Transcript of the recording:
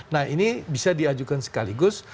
nah ini bisa diajukan sekaligus